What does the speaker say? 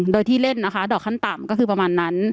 โดยที่เล่นนะคะดอกขั้นต่ำก็คือประมาณนั้น